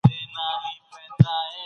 په کاري مهارتونو کي بدلون خورا مهم دی.